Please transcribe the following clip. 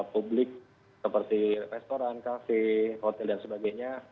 publik seperti restoran kafe hotel dan sebagainya